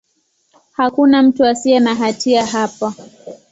Hakuna mtu asiye na hatia hapa.